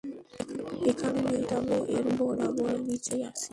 এখানে নেই, তবে এর বরাবর নিচেই আছে।